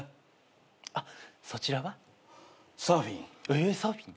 えサーフィン。